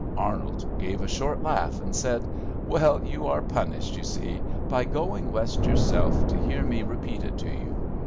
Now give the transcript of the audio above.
Arnold gave a short laugh, and said, "Well, you are punished, you see, by going West yourself to hear me repeat it to you.